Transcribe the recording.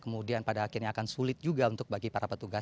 kemudian pada akhirnya akan sulit juga untuk bagi para petugas